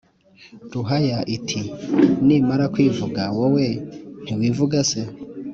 ruhaya iti «nimara kwivuga, wowe ntiwivuga se?»